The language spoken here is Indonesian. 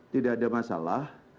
tidak ada masalah